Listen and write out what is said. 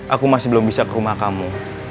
aku masih belum bisa ke rumah kamu